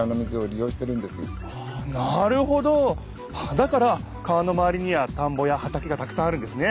だから川のまわりには田んぼや畑がたくさんあるんですね！